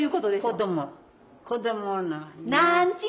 子どもの。